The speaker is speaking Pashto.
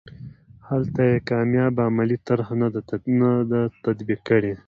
هلته یې کامیابه عملي طرحه نه ده تطبیق کړې.